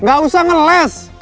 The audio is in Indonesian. nggak usah ngeles